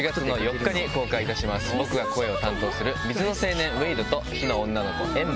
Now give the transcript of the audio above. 僕が声を担当する水の青年ウェイドと火の女の子エンバー。